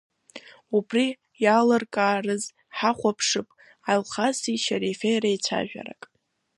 Убри аилкааразы ҳахәаԥшып Алхаси Шьарифеи реицәажәарак…